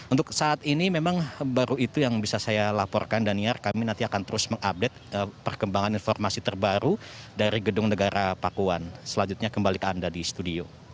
untuk saat ini memang baru itu yang bisa saya laporkan daniar kami nanti akan terus mengupdate perkembangan informasi terbaru dari gedung negara pakuan selanjutnya kembali ke anda di studio